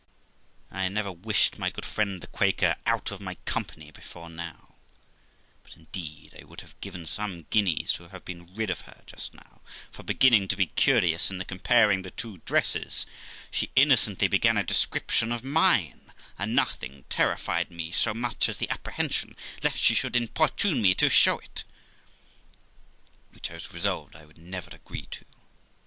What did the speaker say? I never wished my good friend the Quaker out of my company before now; but, indeed, I would have given some guineas to have been rid of her just now; for beginning to be curious in the comparing the two dresses, she innocently began a description of mine ; and nothing terrified me so much as the apprehension lest she should importune me to show it, which I was resolved I would never agree to.